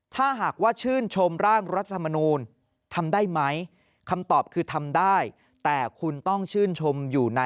ถ้าหากว่าชื่นชมร่างรัฐธรรมนูญทำได้ไหม